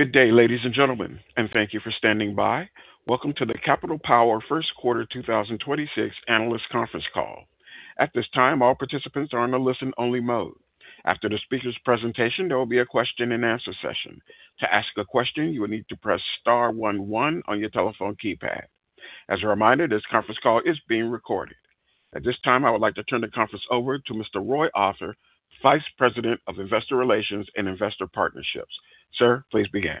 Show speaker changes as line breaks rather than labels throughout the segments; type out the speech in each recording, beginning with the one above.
Good day, ladies and gentlemen, and thank you for standing by. Welcome to the Capital Power Q1 2026 analyst conference call. At this time, all participants are in a listen-only mode. After the speaker's presentation, there will be a question-and-answer session. To ask a question, you will need to press star one, one on your telephone keypad. As a reminder, this conference call is being recorded. At this time, I would like to turn the conference over to Mr. Roy Arthur, Vice President of Investor Relations and Investor Partnerships. Sir, please begin.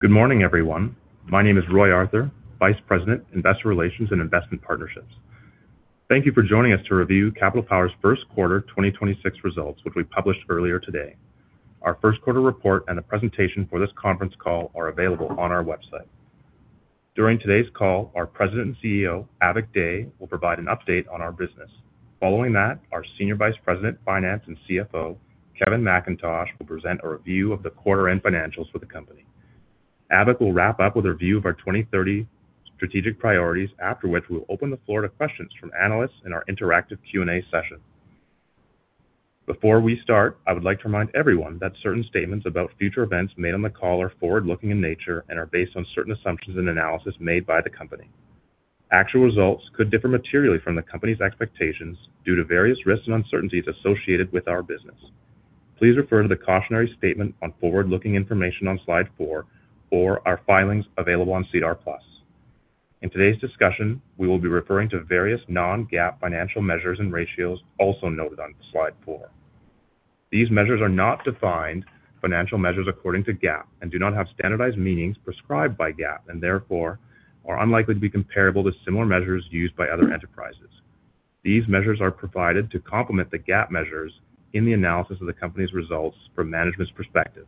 Good morning, everyone. My name is Roy Arthur, Vice President, Investor Relations and Investment Partnerships. Thank you for joining us to review Capital Power's Q1 2026 results, which we published earlier today. Our Q1 report and the presentation for this conference call are available on our website. During today's call, our President and CEO, Avik Dey, will provide an update on our business. Following that, our Senior Vice President, Finance and CFO, Kevin MacIntosh, will present a review of the quarter-end financials for the company. Avik will wrap up with a review of our 2030 strategic priorities, after which we'll open the floor to questions from analysts in our interactive Q&A session. Before we start, I would like to remind everyone that certain statements about future events made on the call are forward-looking in nature and are based on certain assumptions and analysis made by the company. Actual results could differ materially from the company's expectations due to various risks and uncertainties associated with our business. Please refer to the cautionary statement on forward-looking information on slide four or our filings available on SEDAR+. In today's discussion, we will be referring to various non-GAAP financial measures and ratios also noted on slide four. These measures are not defined financial measures according to GAAP and do not have standardized meanings prescribed by GAAP and therefore are unlikely to be comparable to similar measures used by other enterprises. These measures are provided to complement the GAAP measures in the analysis of the company's results from management's perspective.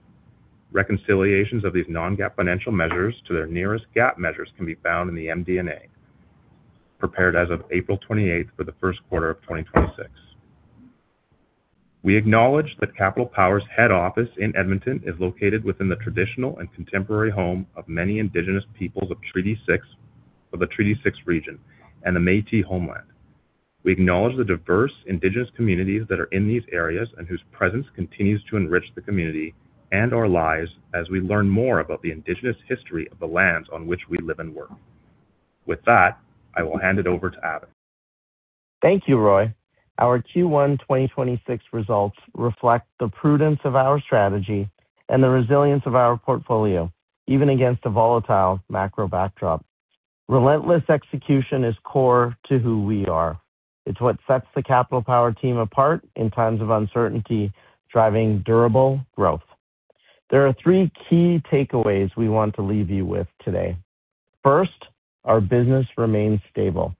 Reconciliations of these non-GAAP financial measures to their nearest GAAP measures can be found in the MD&A prepared as of April 28th for the 1st quarter of 2026. We acknowledge that Capital Power's head office in Edmonton is located within the traditional and contemporary home of many indigenous peoples of the Treaty six region and the Métis homeland. We acknowledge the diverse indigenous communities that are in these areas and whose presence continues to enrich the community and our lives as we learn more about the indigenous history of the lands on which we live and work. With that, I will hand it over to Avik.
Thank you, Roy. Our Q1 2026 results reflect the prudence of our strategy and the resilience of our portfolio, even against a volatile macro backdrop. Relentless execution is core to who we are. It's what sets the Capital Power team apart in times of uncertainty, driving durable growth. There are three key takeaways we want to leave you with today. First, our business remains stable.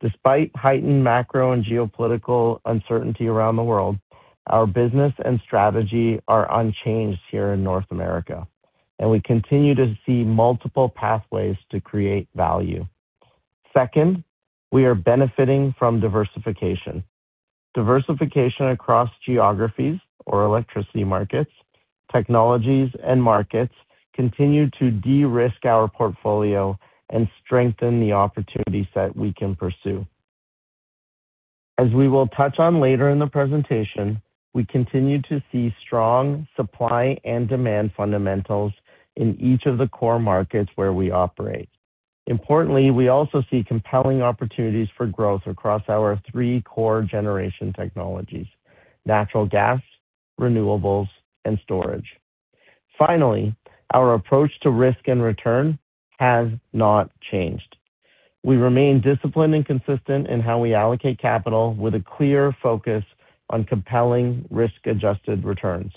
Despite heightened macro and geopolitical uncertainty around the world, our business and strategy are unchanged here in North America, and we continue to see multiple pathways to create value. Second, we are benefiting from diversification. Diversification across geographies or electricity markets, technologies, and markets continue to de-risk our portfolio and strengthen the opportunity set we can pursue. As we will touch on later in the presentation, we continue to see strong supply and demand fundamentals in each of the core markets where we operate. Importantly, we also see compelling opportunities for growth across our three core generation technologies: natural gas, renewables, and storage. Finally, our approach to risk and return has not changed. We remain disciplined and consistent in how we allocate capital with a clear focus on compelling risk-adjusted returns.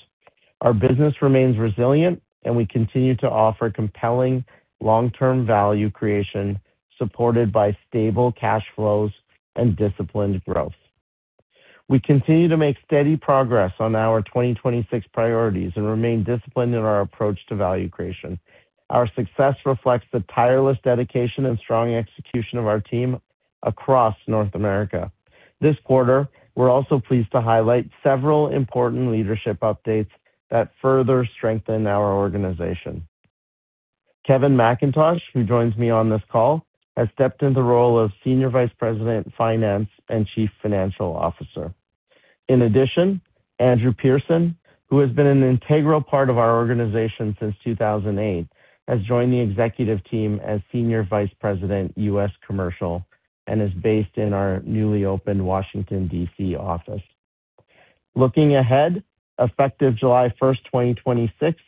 Our business remains resilient, and we continue to offer compelling long-term value creation supported by stable cash flows and disciplined growth. We continue to make steady progress on our 2026 priorities and remain disciplined in our approach to value creation. Our success reflects the tireless dedication and strong execution of our team across North America. This quarter, we're also pleased to highlight several important leadership updates that further strengthen our organization. Kevin MacIntosh, who joins me on this call, has stepped in the role of Senior Vice President, Finance and Chief Financial Officer. In addition, Andrew Pearson, who has been an integral part of our organization since 2008, has joined the executive team as Senior Vice President, U.S. Commercial, and is based in our newly opened Washington, D.C. office. Looking ahead, effective July 1st, 2026,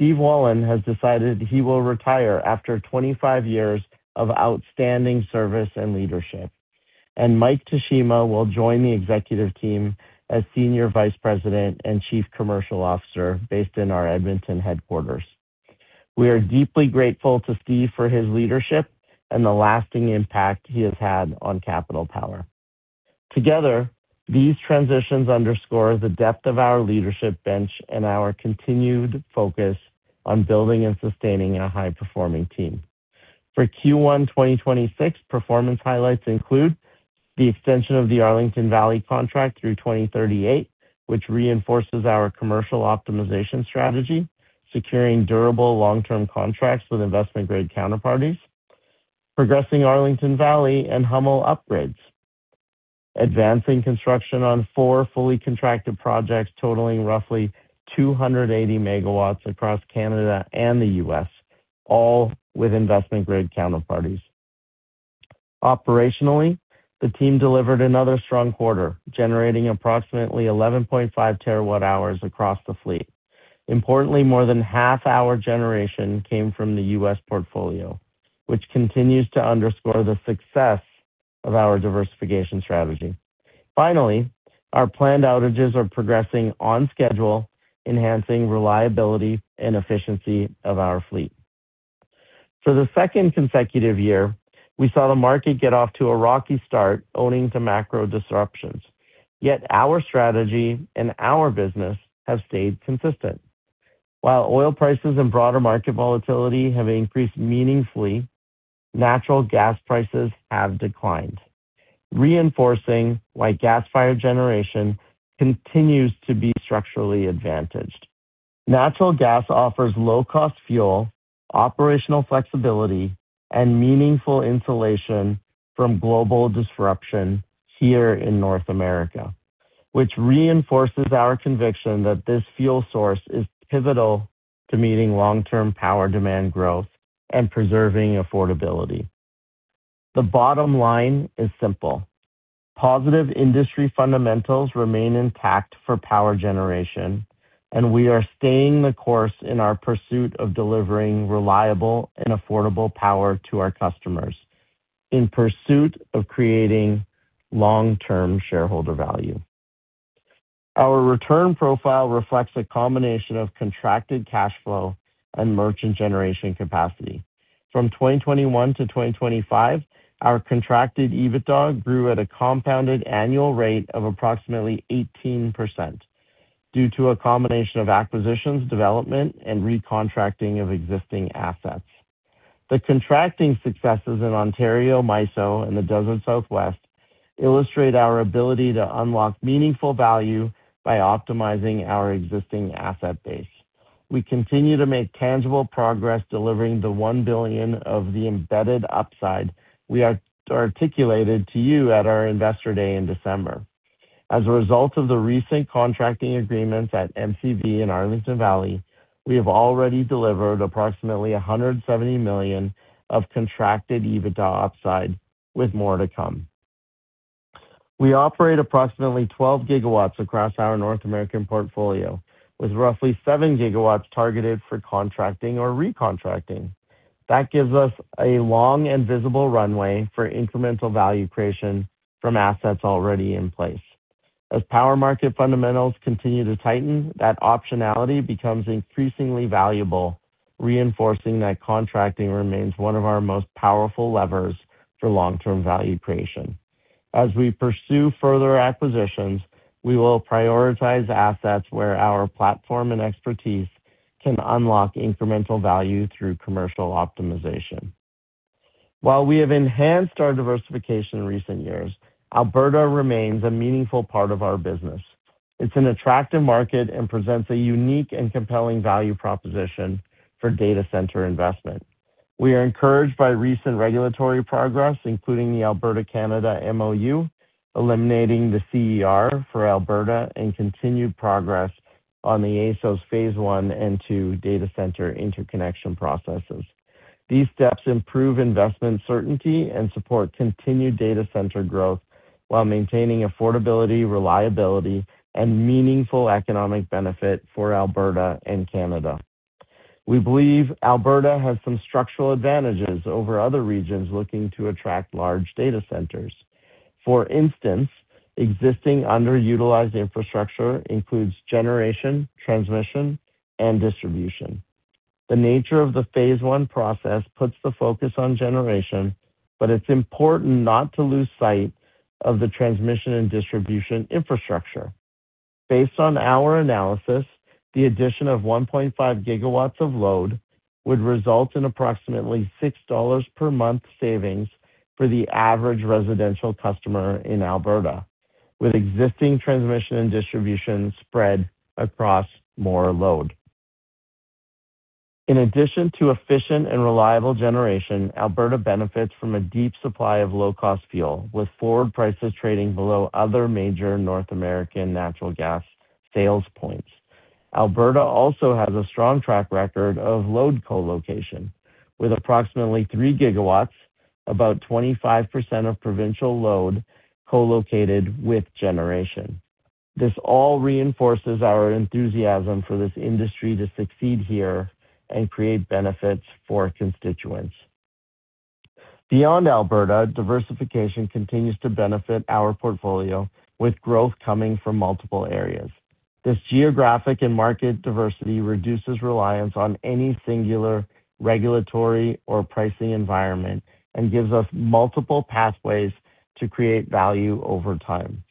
Steve Owens has decided he will retire after 25 years of outstanding service and leadership. Mike Korus will join the executive team as Senior Vice President and Chief Commercial Officer based in our Edmonton headquarters. We are deeply grateful to Steve for his leadership and the lasting impact he has had on Capital Power. Together, these transitions underscore the depth of our leadership bench and our continued focus on building and sustaining a high-performing team. For Q1 2026, performance highlights include the extension of the Arlington Valley contract through 2038, which reinforces our commercial optimization strategy, securing durable long-term contracts with investment-grade counterparties. Progressing Arlington Valley and Hummel upgrades. Advancing construction on four fully contracted projects totaling roughly 280 megawatts across Canada and the U.S., all with investment-grade counterparties. Operationally, the team delivered another strong quarter, generating approximately 11.5 terawatt-hours across the fleet. Importantly, more than half our generation came from the U.S. portfolio, which continues to underscore the success of our diversification strategy. Finally, our planned outages are progressing on schedule, enhancing reliability and efficiency of our fleet. For the second consecutive year, we saw the market get off to a rocky start owing to macro disruptions. Our strategy and our business have stayed consistent. While oil prices and broader market volatility have increased meaningfully, natural gas prices have declined, reinforcing why gas-fired generation continues to be structurally advantaged. Natural gas offers low-cost fuel, operational flexibility, and meaningful insulation from global disruption here in North America, which reinforces our conviction that this fuel source is pivotal to meeting long-term power demand growth and preserving affordability. The bottom line is simple: Positive industry fundamentals remain intact for power generation, and we are staying the course in our pursuit of delivering reliable and affordable power to our customers in pursuit of creating long-term shareholder value. Our return profile reflects a combination of contracted cash flow and merchant generation capacity. From 2021-2025, our contracted EBITDA grew at a compounded annual rate of approximately 18% due to a combination of acquisitions, development, and recontracting of existing assets. The contracting successes in Ontario, MISO, and the Desert Southwest illustrate our ability to unlock meaningful value by optimizing our existing asset base. We continue to make tangible progress delivering the 1 billion of the embedded upside we articulated to you at our Investor Day in December. As a result of the recent contracting agreements at MCV and Arlington Valley, we have already delivered approximately 170 million of contracted EBITDA upside with more to come. We operate approximately 12 gigawatts across our North American portfolio, with roughly seven gigawatts targeted for contracting or recontracting. That gives us a long and visible runway for incremental value creation from assets already in place. As power market fundamentals continue to tighten, that optionality becomes increasingly valuable, reinforcing that contracting remains one of our most powerful levers for long-term value creation. As we pursue further acquisitions, we will prioritize assets where our platform and expertise can unlock incremental value through commercial optimization. While we have enhanced our diversification in recent years, Alberta remains a meaningful part of our business. It's an attractive market and presents a unique and compelling value proposition for data center investment. We are encouraged by recent regulatory progress, including the Alberta-Canada MoU, eliminating the CER for Alberta, and continued progress on the AESO Phase One and Two data center interconnection processes. These steps improve investment certainty and support continued data center growth while maintaining affordability, reliability, and meaningful economic benefit for Alberta and Canada. We believe Alberta has some structural advantages over other regions looking to attract large data centers. For instance, existing underutilized infrastructure includes generation, transmission, and distribution. The nature of the Phase One process puts the focus on generation, but it's important not to lose sight of the transmission and distribution infrastructure. Based on our analysis, the addition of 1.5 GW of load would result in approximately 6 dollars per month savings for the average residential customer in Alberta, with existing transmission and distribution spread across more load. In addition to efficient and reliable generation, Alberta benefits from a deep supply of low-cost fuel, with forward prices trading below other major North American natural gas sales points. Alberta also has a strong track record of load co-location, with approximately three GW, about 25% of provincial load, co-located with generation. This all reinforces our enthusiasm for this industry to succeed here and create benefits for constituents. Beyond Alberta, diversification continues to benefit our portfolio, with growth coming from multiple areas. This geographic and market diversity reduces reliance on any singular regulatory or pricing environment and gives us multiple pathways to create value over time.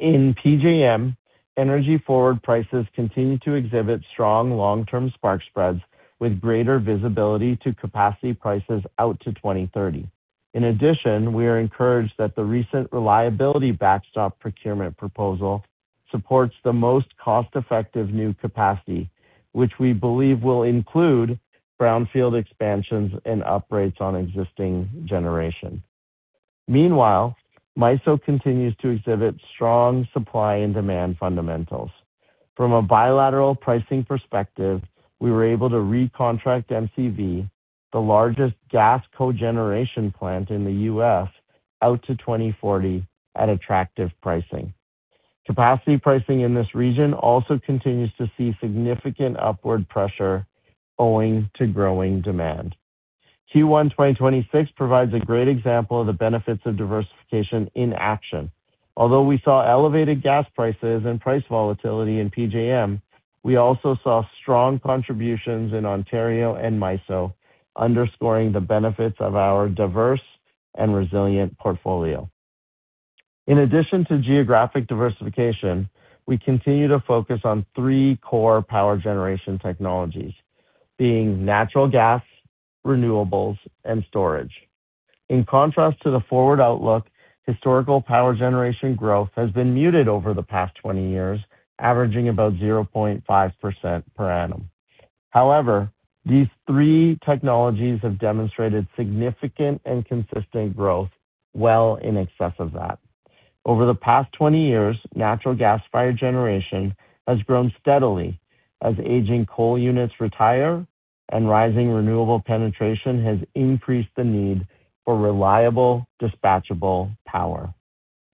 In PJM, energy forward prices continue to exhibit strong long-term spark spreads with greater visibility to capacity prices out to 2030. In addition, we are encouraged that the recent reliability backstop procurement proposal supports the most cost-effective new capacity, which we believe will include brownfield expansions and upgrades on existing generation. Meanwhile, MISO continues to exhibit strong supply and demand fundamentals. From a bilateral pricing perspective, we were able to recontract MCV, the largest gas cogeneration plant in the U.S., out to 2040 at attractive pricing. Capacity pricing in this region also continues to see significant upward pressure owing to growing demand. Q1 2026 provides a great example of the benefits of diversification in action. Although we saw elevated gas prices and price volatility in PJM, we also saw strong contributions in Ontario and MISO, underscoring the benefits of our diverse and resilient portfolio. In addition to geographic diversification, we continue to focus on three core power generation technologies, being natural gas, renewables, and storage. In contrast to the forward outlook, historical power generation growth has been muted over the past 20 years, averaging about 0.5% p.a. However, these three technologies have demonstrated significant and consistent growth well in excess of that. Over the past 20 years, natural gas-fired generation has grown steadily as aging coal units retire and rising renewable penetration has increased the need for reliable, dispatchable power.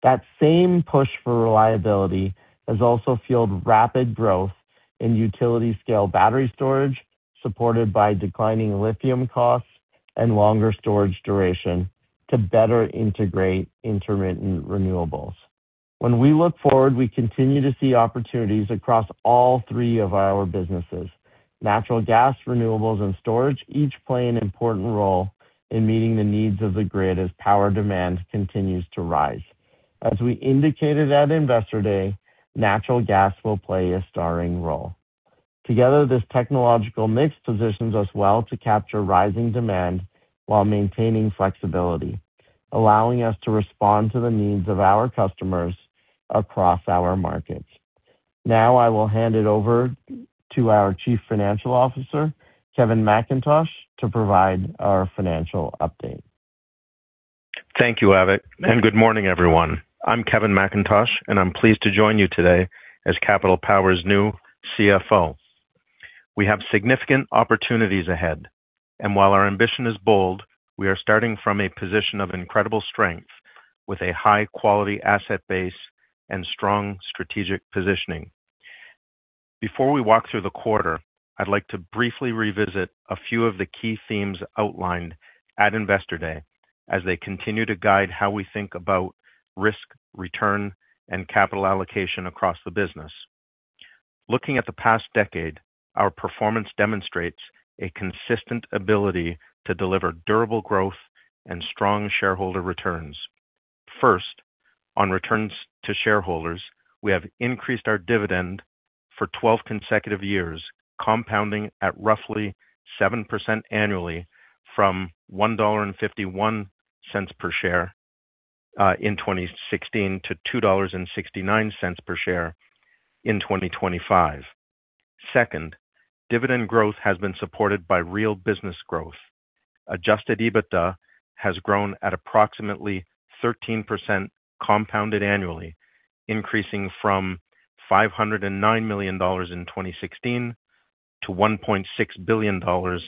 That same push for reliability has also fueled rapid growth in utility-scale battery storage, supported by declining lithium costs and longer storage duration to better integrate intermittent renewables. When we look forward, we continue to see opportunities across all three of our businesses. Natural gas, renewables, and storage each play an important role in meeting the needs of the grid as power demand continues to rise. As we indicated at Investor Day, natural gas will play a starring role. Together, this technological mix positions us well to capture rising demand while maintaining flexibility, allowing us to respond to the needs of our customers across our markets. I will hand it over to our Chief Financial Officer, Kevin MacIntosh, to provide our financial update.
Thank you, Avik, and good morning, everyone. I'm Kevin MacIntosh, and I'm pleased to join you today as Capital Power's new CFO. We have significant opportunities ahead, and while our ambition is bold, we are starting from a position of incredible strength with a high-quality asset base and strong strategic positioning. Before we walk through the quarter, I'd like to briefly revisit a few of the key themes outlined at Investor Day as they continue to guide how we think about risk, return, and capital allocation across the business. Looking at the past decade, our performance demonstrates a consistent ability to deliver durable growth and strong shareholder returns. First, on returns to shareholders, we have increased our dividend for 12 consecutive years, compounding at roughly 7% annually from 1.51 dollar per share in 2016 to 2.69 dollars per share in 2025. Second, dividend growth has been supported by real business growth. Adjusted EBITDA has grown at approximately 13% compounded annually, increasing from 509 million dollars in 2016 to 1.6 billion dollars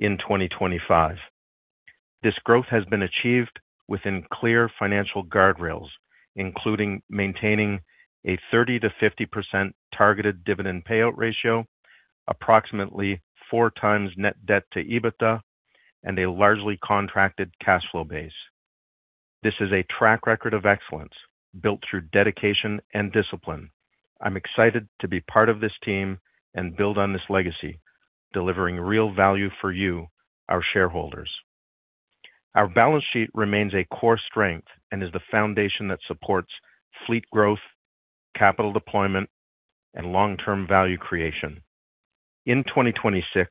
in 2025. This growth has been achieved within clear financial guardrails, including maintaining a 30%-50% targeted dividend payout ratio, approximately four times net debt to EBITDA, and a largely contracted cash flow base. This is a track record of excellence built through dedication and discipline. I'm excited to be part of this team and build on this legacy, delivering real value for you, our shareholders. Our balance sheet remains a core strength and is the foundation that supports fleet growth, capital deployment, and long-term value creation. In 2026,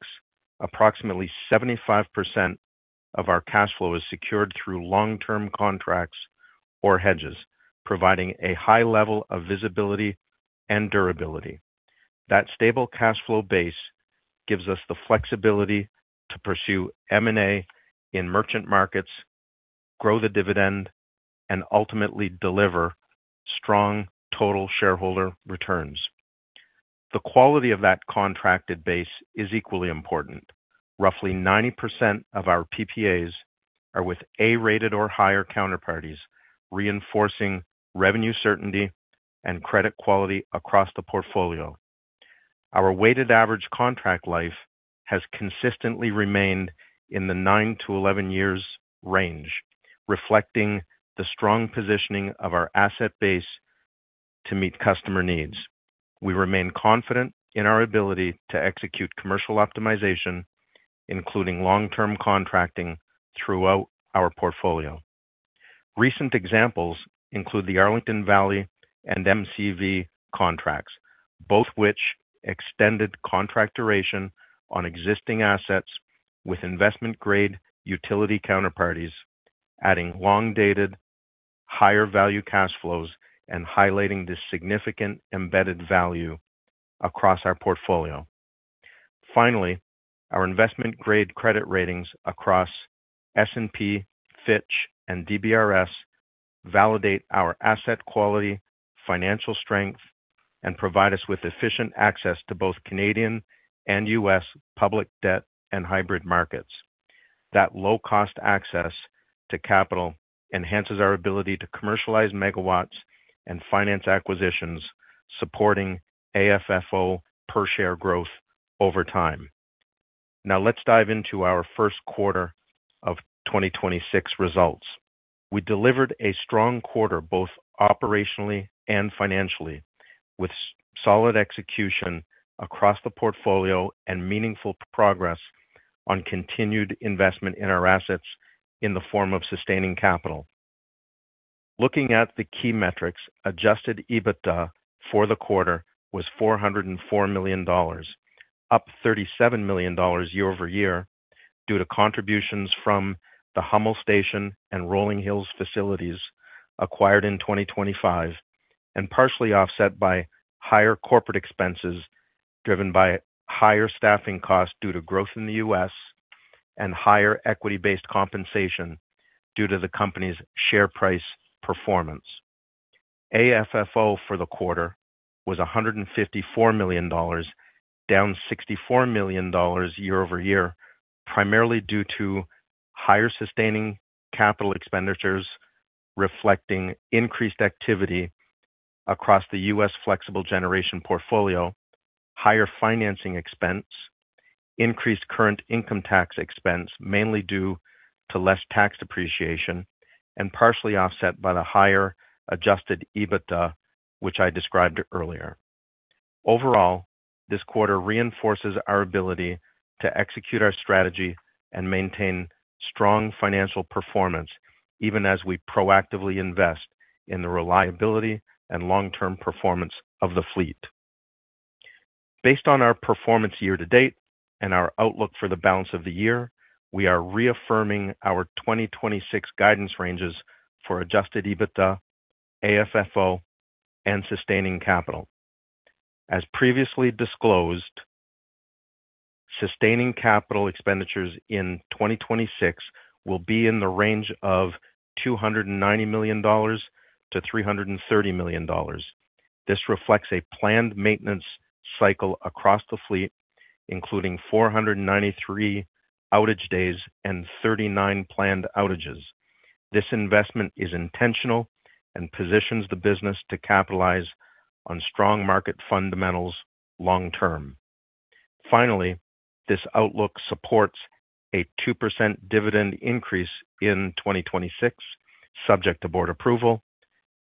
approximately 75% of our cash flow is secured through long-term contracts or hedges, providing a high level of visibility and durability. That stable cash flow base gives us the flexibility to pursue M&A in merchant markets, grow the dividend, and ultimately deliver strong total shareholder returns. The quality of that contracted base is equally important. Roughly 90% of our PPAs are with A-rated or higher counterparties, reinforcing revenue certainty and credit quality across the portfolio. Our weighted average contract life has consistently remained in the 9-11 years range, reflecting the strong positioning of our asset base to meet customer needs. We remain confident in our ability to execute commercial optimization, including long-term contracting throughout our portfolio. Recent examples include the Arlington Valley and MCV contracts, both which extended contract duration on existing assets with investment-grade utility counterparties, adding long-dated higher value cash flows and highlighting the significant embedded value across our portfolio. Finally, our investment-grade credit ratings across S&P, Fitch, and DBRS validate our asset quality, financial strength, and provide us with efficient access to both Canadian and U.S. public debt and hybrid markets. That low-cost access to capital enhances our ability to commercialize megawatts and finance acquisitions, supporting AFFO per share growth over time. Now, let's dive into our Q1 of 2026 results. We delivered a strong quarter, both operationally and financially, with solid execution across the portfolio and meaningful progress on continued investment in our assets in the form of sustaining capital. Looking at the key metrics, Adjusted EBITDA for the quarter was 404 million dollars, up 37 million dollars year-over-year due to contributions from the Hummel Station and Rolling Hills facilities acquired in 2025, and partially offset by higher corporate expenses, driven by higher staffing costs due to growth in the U.S. and higher equity-based compensation due to the company's share price performance. AFFO for the quarter was 154 million dollars, down 64 million dollars year-over-year, primarily due to higher sustaining capital expenditures reflecting increased activity across the U.S. flexible generation portfolio, higher financing expense, increased current income tax expense, mainly due to less tax depreciation, and partially offset by the higher Adjusted EBITDA, which I described earlier. Overall, this quarter reinforces our ability to execute our strategy and maintain strong financial performance, even as we proactively invest in the reliability and long-term performance of the fleet. Based on our performance year-to-date and our outlook for the balance of the year, we are reaffirming our 2026 guidance ranges for Adjusted EBITDA, AFFO, and sustaining capital. As previously disclosed, sustaining capital expenditures in 2026 will be in the range of 290-330 million dollars. This reflects a planned maintenance cycle across the fleet, including 493 outage days and 39 planned outages. This investment is intentional and positions the business to capitalize on strong market fundamentals long term. Finally, this outlook supports a 2% dividend increase in 2026, subject to board approval,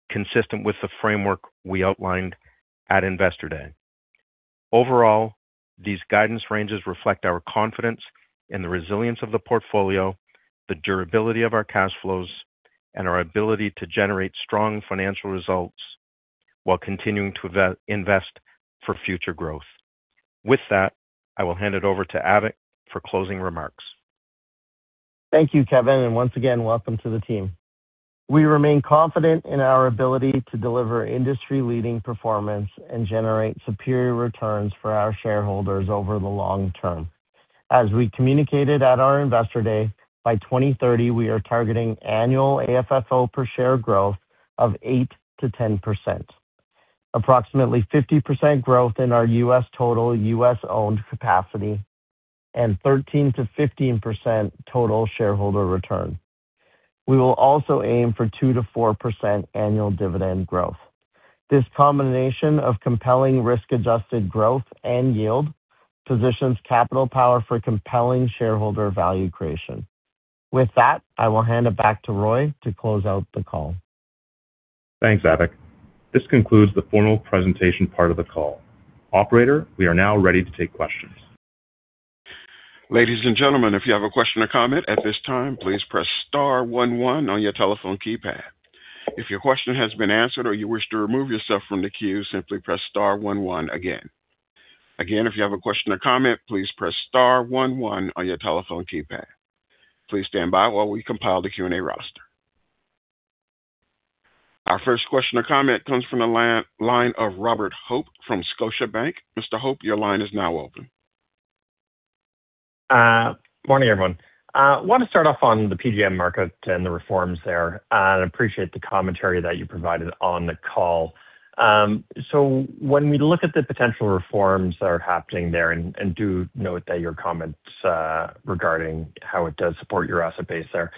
consistent with the framework we outlined at Investor Day. Overall, these guidance ranges reflect our confidence in the resilience of the portfolio, the durability of our cash flows, and our ability to generate strong financial results while continuing to invest for future growth. With that, I will hand it over to Avik for closing remarks.
Thank you, Kevin, and once again, welcome to the team. We remain confident in our ability to deliver industry-leading performance and generate superior returns for our shareholders over the long term. As we communicated at our Investor Day, by 2030, we are targeting annual AFFO per share growth of 8%-10%. Approximately 50% growth in our U.S. total, U.S. owned capacity, and 13%-15% total shareholder return. We will also aim for 2%-4% annual dividend growth. This combination of compelling risk-adjusted growth and yield positions Capital Power for compelling shareholder value creation. With that, I will hand it back to Roy to close out the call.
Thanks, Avik. This concludes the formal presentation part of the call. Operator, we are now ready to take questions.
Ladies and gentlemen, if you have a question or comment at this time, please press star one, one on your telephone keypad. If your question has been answered or you wish to remove yourself from the queue, simply press star one, one again. Again, if you have a question or comment, please press star one, one on your telephone keypad. Please stand by while we compile the Q&A roster. Our first question or comment comes from the line of Robert Hope from Scotiabank. Mr. Hope, your line is now open.
Morning, everyone. I want to start off on the PJM market and the reforms there. I appreciate the commentary that you provided on the call. When we look at the potential reforms that are happening there and do note that your comments regarding how it does support your asset base there.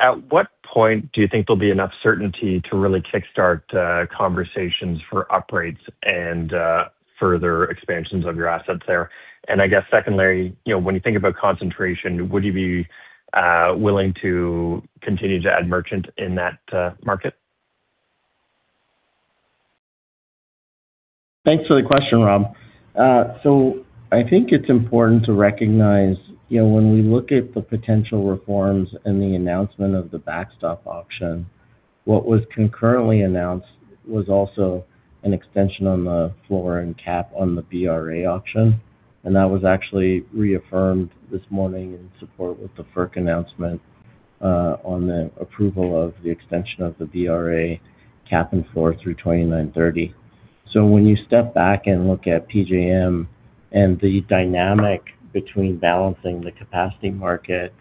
At what point do you think there'll be enough certainty to really kickstart conversations for upgrades and further expansions of your assets there? I guess secondly, you know, when you think about concentration, would you be willing to continue to add merchant in that market?
Thanks for the question, Rob. I think it's important to recognize, you know, when we look at the potential reforms and the announcement of the backstop option What was concurrently announced was also an extension on the floor and cap on the BRA auction. That was actually reaffirmed this morning in support with the FERC announcement on the approval of the extension of the BRA cap and floor through 2029-2030. When you step back and look at PJM and the dynamic between balancing the capacity market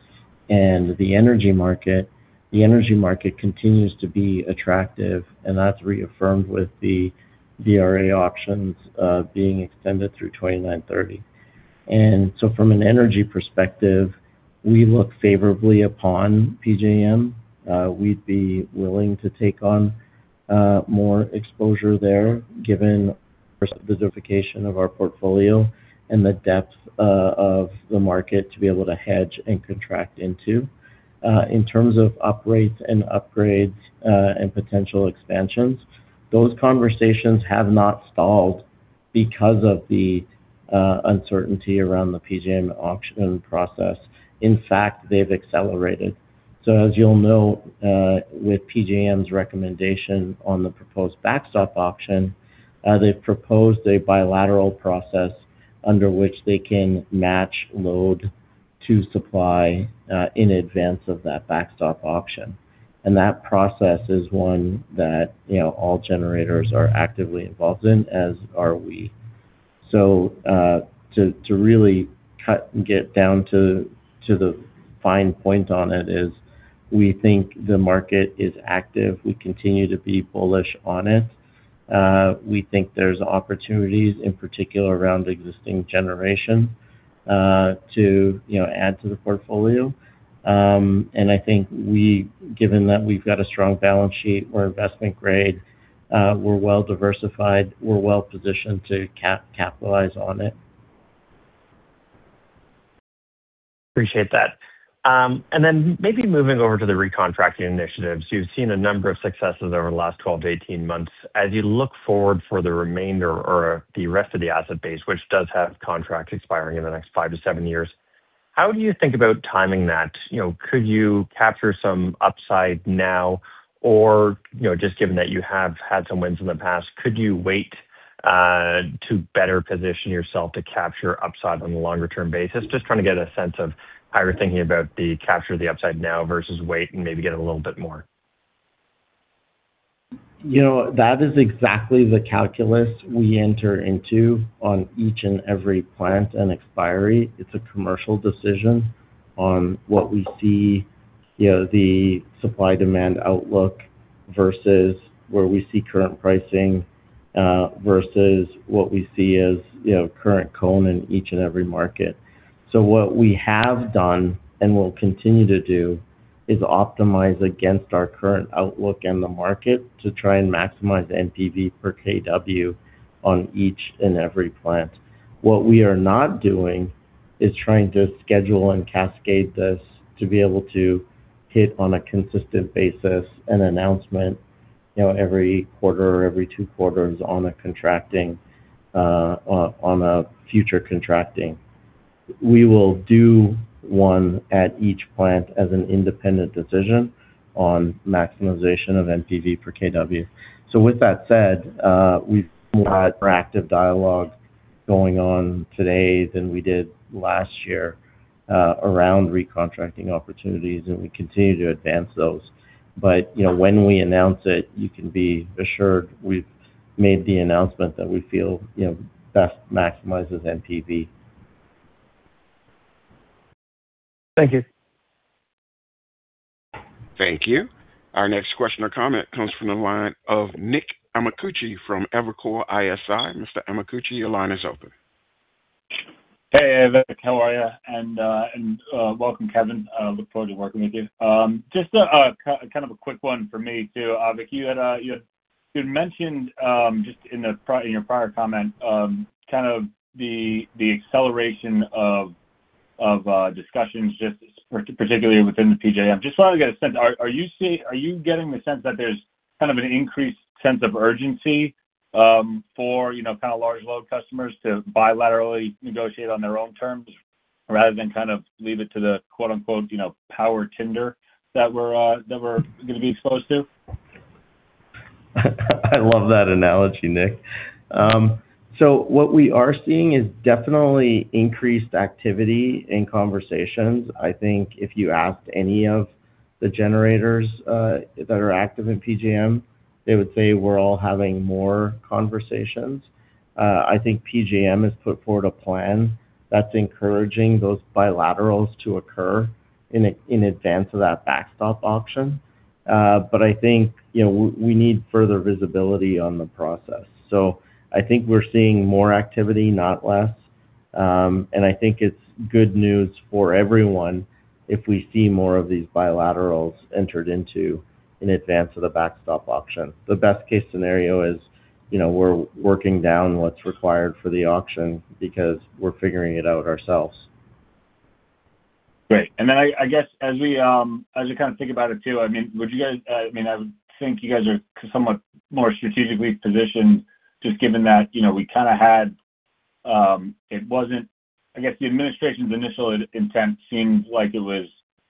and the energy market, the energy market continues to be attractive, and that's reaffirmed with the BRA auctions being extended through 2029-2030. From an energy perspective, we look favorably upon PJM. We'd be willing to take on more exposure there given the diversification of our portfolio and the depth of the market to be able to hedge and contract into. In terms of operates and upgrades, and potential expansions, those conversations have not stalled because of the uncertainty around the PJM auction process. In fact, they've accelerated. As you'll note, with PJM's recommendation on the proposed backstop auction, they've proposed a bilateral process under which they can match load to supply in advance of that backstop auction. That process is one that, you know, all generators are actively involved in, as are we. To really cut and get down to the fine point on it is we think the market is active. We continue to be bullish on it. We think there's opportunities, in particular around existing generation, to add to the portfolio. I think given that we've got a strong balance sheet, we're investment grade, we're well diversified, we're well-positioned to capitalize on it.
Appreciate that. Maybe moving over to the recontracting initiatives. You've seen a number of successes over the last 12-18 months. As you look forward for the remainder or the rest of the asset base, which does have contracts expiring in the next five to seven years, how do you think about timing that? You know, could you capture some upside now or, you know, just given that you have had some wins in the past, could you wait to better position yourself to capture upside on a longer term basis? Just trying to get a sense of how you're thinking about the capture the upside now versus wait and maybe get a little bit more.
You know, that is exactly the calculus we enter into on each and every plant and expiry. It's a commercial decision on what we see, you know, the supply-demand outlook versus where we see current pricing, versus what we see as, you know, current CONE in each and every market. What we have done and will continue to do is optimize against our current outlook in the market to try and maximize NPV per kW on each and every plant. What we are not doing is trying to schedule and cascade this to be able to hit on a consistent basis an announcement, you know, every quarter or every two quarters on a contracting, on a future contracting. We will do one at each plant as an independent decision on maximization of NPV per kW. With that said, we've had more active dialogue going on today than we did last year, around recontracting opportunities, and we continue to advance those. You know, when we announce it, you can be assured we've made the announcement that we feel, you know, best maximizes NPV.
Thank you.
Thank you. Our next question or comment comes from the line of Nicholas Amicucci from Evercore ISI. Mr. Amicucci, your line is open.
Hey, Avik. How are you? Welcome, Kevin. Look forward to working with you. Just a kind of a quick one for me too. Avik, you had mentioned just in your prior comment kind of the acceleration of discussions particularly within the PJM. Just so I get a sense, are you getting the sense that there's kind of an increased sense of urgency for, you know, kind of large load customers to bilaterally negotiate on their own terms rather than kind of leave it to the quote, unquote, you know, power tender that we're that we're going to be exposed to?
I love that analogy, Nick. What we are seeing is definitely increased activity in conversations. I think if you asked any of the generators that are active in PJM, they would say we're all having more conversations. I think PJM has put forward a plan that's encouraging those bilaterals to occur in advance of that backstop auction. I think, you know, we need further visibility on the process. I think we're seeing more activity, not less. I think it's good news for everyone if we see more of these bilaterals entered into in advance of the backstop auction. The best-case scenario is, you know, we're working down what's required for the auction because we're figuring it out ourselves.
Great. I guess as we kind of think about it too, I mean, I would think you guys are somewhat more strategically positioned just given that, you know, we kind of had. I guess the administration's initial intent seemed like it was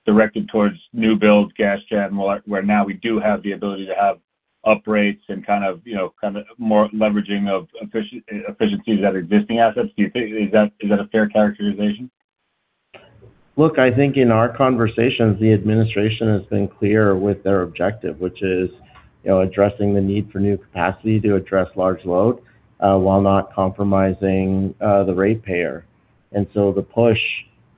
directed towards new builds, gas gen, where now we do have the ability to have uprates and kind of, you know, kind of more leveraging of efficiencies at existing assets. Do you think? Is that a fair characterization?
Look, I think in our conversations, the administration has been clear with their objective, which is, you know, addressing the need for new capacity to address large load, while not compromising the rate payer. The push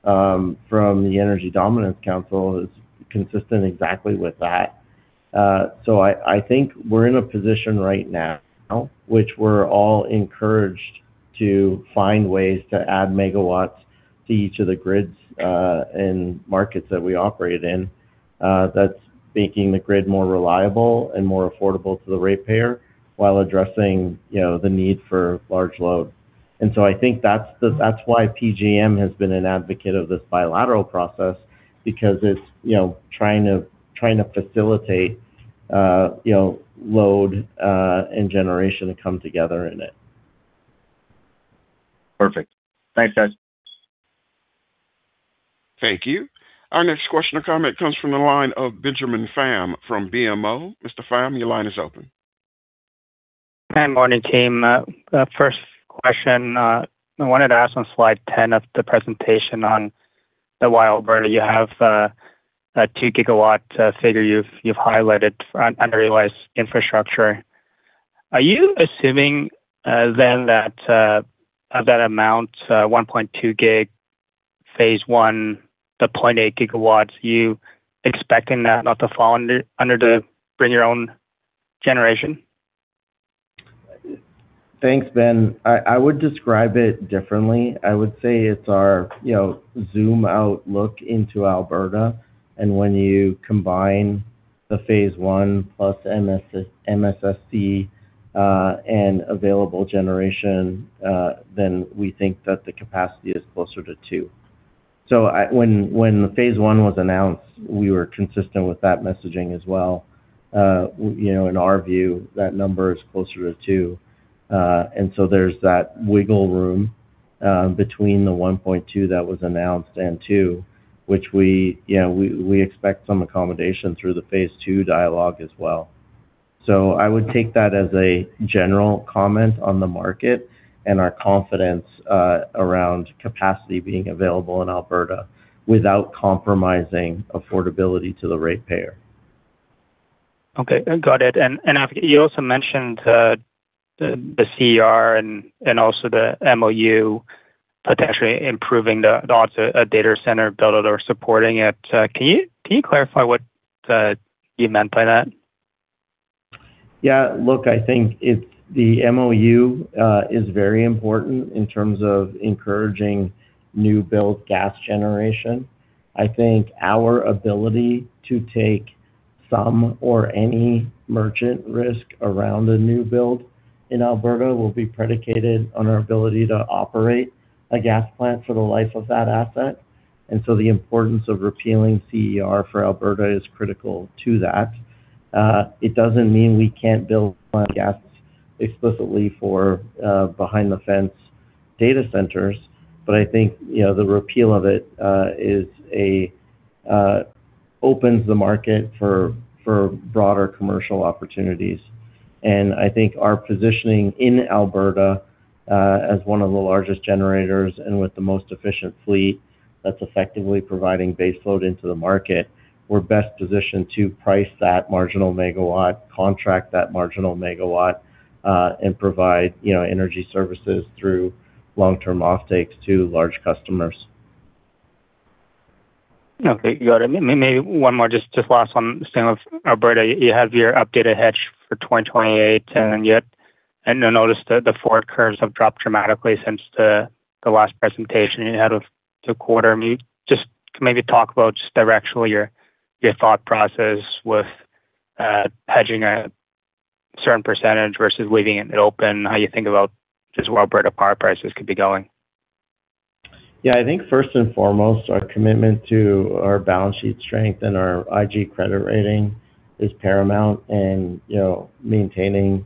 from the National Energy Dominance Council is consistent exactly with that. I think we're in a position right now which we're all encouraged to find ways to add megawatts to each of the grids and markets that we operate in, that's making the grid more reliable and more affordable to the rate payer while addressing, you know, the need for large load. I think that's why PJM has been an advocate of this bilateral process because it's, you know, trying to facilitate, you know, load and generation to come together in it.
Perfect. Thanks, Avik.
Thank you. Our next question or comment comes from the line of Benjamin Pham from BMO. Mr. Pham, your line is open.
Hi, morning, team. First question, I wanted to ask on slide 10 of the presentation on the Wildbird. You have a two-gigawatt figure you've highlighted on unrealized infrastructure. Are you assuming then that that amount, 1.2 gig phase I, the 0.8 gigawatts, you expecting that not to fall under the bring your own generation?
Thanks, Ben. I would describe it differently. I would say it's our, you know, zoom out look into Alberta. When you combine the phase one plus MSSC and available generation, we think that the capacity is closer to two. When the phase one was announced, we were consistent with that messaging as well. You know, in our view, that number is closer to two. There's that wiggle room between the 1.2 that was announced and two, which we, you know, we expect some accommodation through the phase two dialogue as well. I would take that as a general comment on the market and our confidence around capacity being available in Alberta without compromising affordability to the rate payer.
Okay. Got it. You also mentioned the CER and also the MOU potentially improving the odds a data center build out or supporting it. Can you clarify what you meant by that?
Yeah. Look, I think it's. The MOU is very important in terms of encouraging new build gas generation. I think our ability to take some or any merchant risk around a new build in Alberta will be predicated on our ability to operate a gas plant for the life of that asset. The importance of repealing CER for Alberta is critical to that. It doesn't mean we can't build plant gas explicitly for behind-the-fence data centers, but I think, you know, the repeal of it is a opens the market for broader commercial opportunities. I think our positioning in Alberta, as one of the largest generators and with the most efficient fleet that's effectively providing base load into the market, we're best positioned to price that marginal megawatt, contract that marginal megawatt, and provide, you know, energy services through long-term offtakes to large customers.
Okay. Got it. Maybe one more just last one. Staying with Alberta, you have your updated hedge for 2028. I noticed the forward curves have dropped dramatically since the last presentation ahead of the quarter meet. Just can maybe talk about just directionally your thought process with hedging a certain percentage versus leaving it open, how you think about just where Alberta power prices could be going?
I think first and foremost, our commitment to our balance sheet strength and our IG credit rating is paramount and, you know, maintaining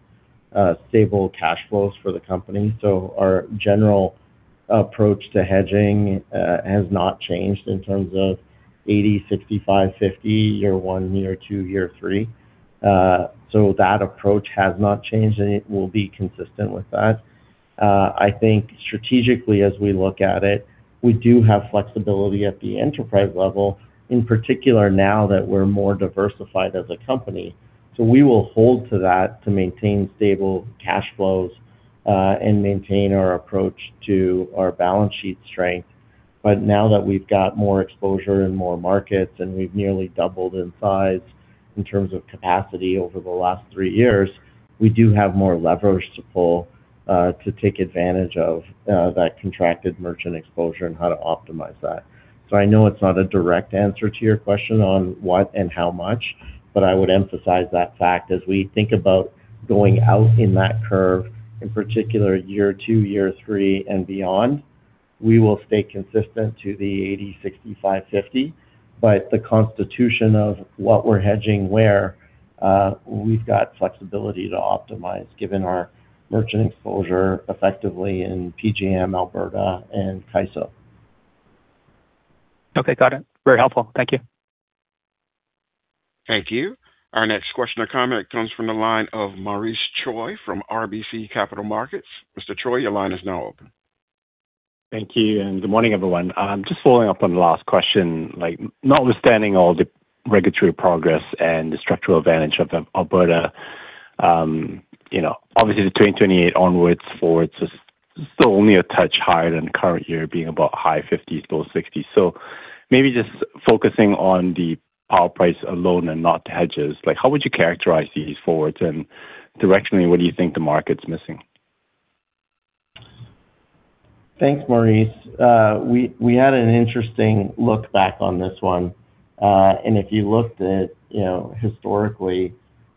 stable cash flows for the company. Our general approach to hedging has not changed in terms of 80, 65, 50, year one, year two, year three. That approach has not changed, and it will be consistent with that. I think strategically as we look at it, we do have flexibility at the enterprise level, in particular now that we are more diversified as a company. We will hold to that to maintain stable cash flows and maintain our approach to our balance sheet strength. Now that we've got more exposure in more markets and we've nearly doubled in size in terms of capacity over the last three years, we do have more leverage to pull to take advantage of that contracted merchant exposure and how to optimize that. I know it's not a direct answer to your question on what and how much, but I would emphasize that fact as we think about going out in that curve, in particular year two, year three, and beyond. We will stay consistent to the 80, 60, 5, 50. The constitution of what we're hedging where, we've got flexibility to optimize given our merchant exposure effectively in PJM, Alberta, and CAISO.
Okay, got it. Very helpful. Thank you.
Thank you. Our next question or comment comes from the line of Maurice Choy from RBC Capital Markets. Mr. Choy, your line is now open.
Thank you, and good morning, everyone. Just following up on the last question. Like, notwithstanding all the regulatory progress and the structural advantage of Alberta, you know, obviously the 2028 onwards forwards is still only a touch higher than current year being about high CAD 50s, low CAD 60s. Maybe just focusing on the power price alone and not the hedges, like how would you characterize these forwards? Directionally, what do you think the market's missing?
Thanks, Maurice. We had an interesting look back on this one. If you looked at, you know, historically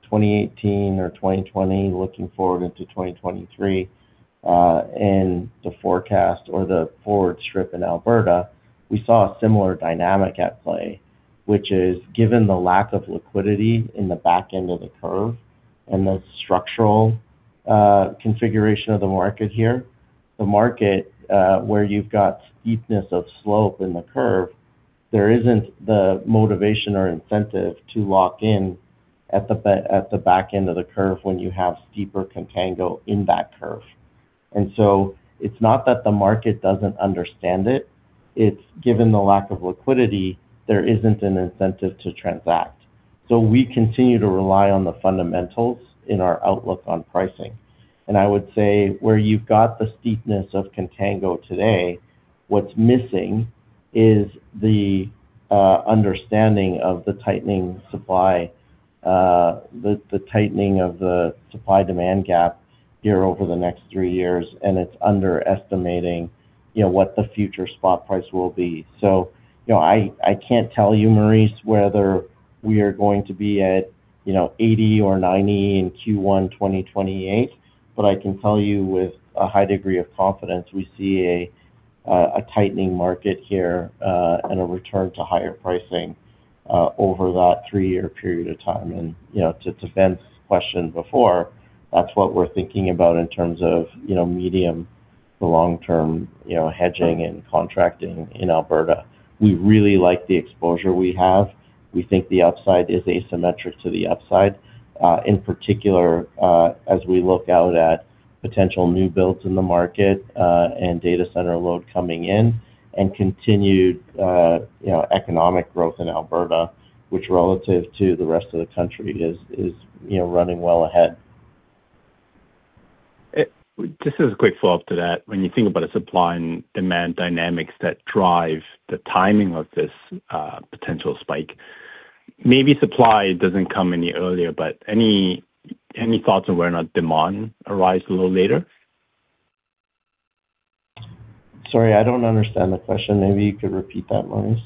2018 or 2020 looking forward into 2023, and the forecast or the forward strip in Alberta, we saw a similar dynamic at play. Which is given the lack of liquidity in the back end of the curve and the structural configuration of the market here. The market, where you've got steepness of slope in the curve, there isn't the motivation or incentive to lock in at the back end of the curve when you have steeper contango in that curve. It's not that the market doesn't understand it. It's given the lack of liquidity, there isn't an incentive to transact. We continue to rely on the fundamentals in our outlook on pricing. I would say where you've got the steepness of contango today, what's missing is the understanding of the tightening supply, the tightening of the supply-demand gap here over the next three years, and it's underestimating, you know, what the future spot price will be. You know, I can't tell you, Maurice, whether we are going to be at, you know, 80 or 90 in Q1 2028. I can tell you with a high degree of confidence, we see a tightening market here, and a return to higher pricing over that three-year period of time. You know, to Ben's question before, that's what we're thinking about in terms of, you know, medium to long-term, you know, hedging and contracting in Alberta. We really like the exposure we have. We think the upside is asymmetric to the upside. In particular, as we look out at potential new builds in the market, and data center load coming in and continued, you know, economic growth in Alberta, which relative to the rest of the country is, you know, running well ahead.
Just as a quick follow-up to that. When you think about the supply and demand dynamics that drive the timing of this potential spike, maybe supply doesn't come any earlier, but any thoughts on whether or not demand arrives a little later?
Sorry, I don't understand the question. Maybe you could repeat that, Maurice.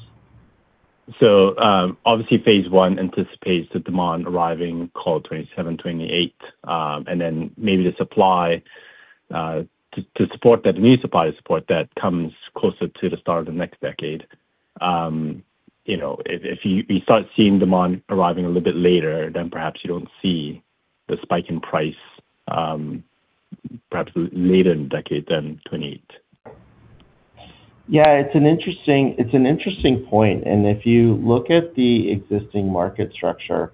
Obviously phase one anticipates the demand arriving call 2027, 2028. Maybe the supply to support that new supply support that comes closer to the start of the next decade. You know, if you start seeing demand arriving a little bit later, then perhaps you don't see the spike in price, perhaps later in the decade than 2028.
Yeah, it's an interesting point. If you look at the existing market structure,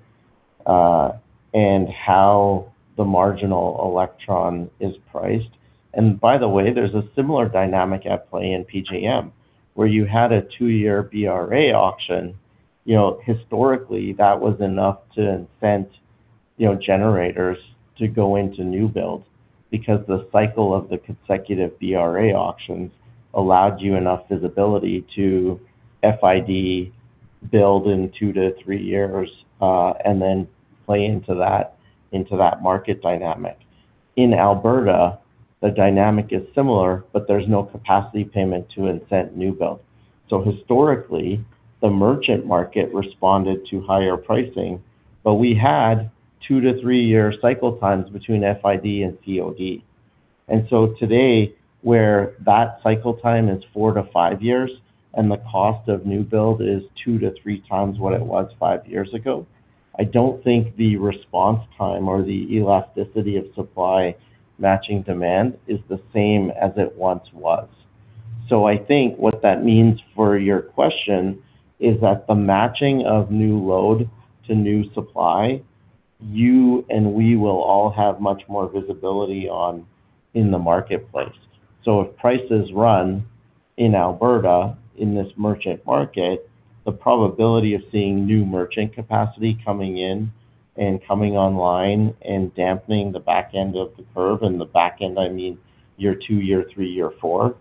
and how the marginal electron is priced. By the way, there's a similar dynamic at play in PJM, where you had a two-year BRA auction. You know, historically, that was enough to incent, you know, generators to go into new builds because the cycle of the consecutive BRA auctions allowed you enough visibility to FID build in two to three years, and then play into that market dynamic. In Alberta, the dynamic is similar, but there's no capacity payment to incent new build. Historically, the merchant market responded to higher pricing, but we had two to three-year cycle times between FID and COD. Today, where that cycle time is four to five years and the cost of new build is two to three times what it was five years ago, I don't think the response time or the elasticity of supply matching demand is the same as it once was. I think what that means for your question is that the matching of new load to new supply, you and we will all have much more visibility on in the marketplace. If prices run in Alberta in this merchant market, the probability of seeing new merchant capacity coming in and coming online and dampening the back end of the curve. In the back end, I mean year two, year three, year four,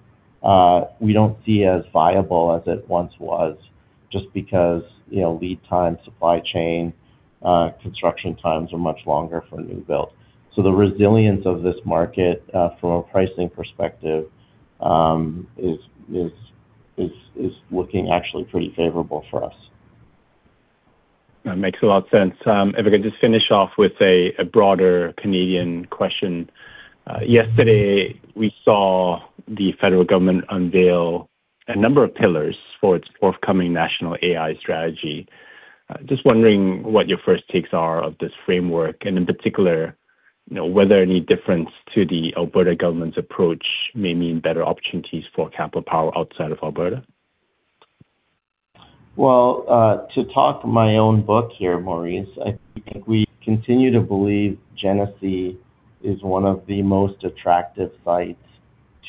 we don't see as viable as it once was just because, you know, lead time, supply chain, construction times are much longer for a new build. The resilience of this market, from a pricing perspective, is looking actually pretty favorable for us.
That makes a lot of sense. If I could just finish off with a broader Canadian question. Yesterday we saw the federal government unveil a number of pillars for its forthcoming national AI strategy. Just wondering what your first takes are of this framework, and in particular, you know, whether any difference to the Alberta government's approach may mean better opportunities for Capital Power outside of Alberta.
To talk my own book here, Maurice, I think we continue to believe Genesee is one of the most attractive sites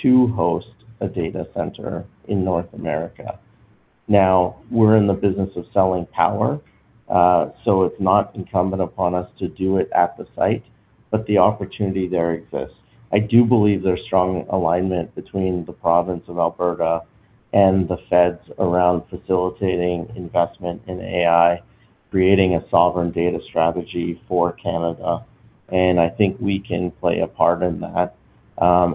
to host a data center in North America. We're in the business of selling power, so it's not incumbent upon us to do it at the site, but the opportunity there exists. I do believe there's strong alignment between the province of Alberta and the feds around facilitating investment in AI, creating a sovereign data strategy for Canada, and I think we can play a part in that.